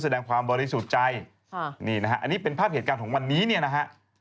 แสดงความบริสุทธิ์ใจค่ะนี่นะฮะอันนี้เป็นภาพเหตุการณ์ของวันนี้เนี่ยนะฮะ